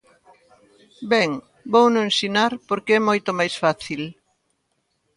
Ben, vouno ensinar porque é moito máis fácil.